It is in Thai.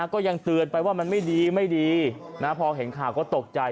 ก็ยังเตือนไปว่ามันไม่ดีไม่ดีพอเห็นข่าวก็ตกใจ